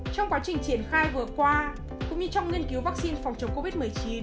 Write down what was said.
trong quá trình triển khai vừa qua cũng như trong nghiên cứu vaccine phòng chống covid một mươi chín